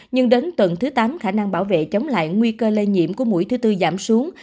nhưng đến tuần thứ tám khả năng bảo vệ chống lại nguy cơ lây nhiễm của mũi thứ tư giảm xuống